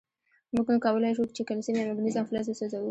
مونږ کولای شو چې کلسیم یا مګنیزیم فلز وسوځوو.